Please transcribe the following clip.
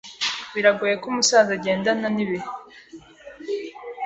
Biragoye ko umusaza agendana nibihe.